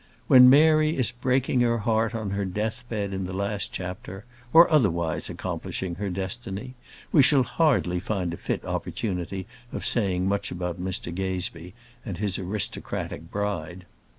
When Mary is breaking her heart on her death bed in the last chapter, or otherwise accomplishing her destiny, we shall hardly find a fit opportunity of saying much about Mr Gazebee and his aristocratic bride.